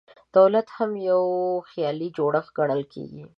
دولت هم یو خیالي جوړښت ګڼل کېږي.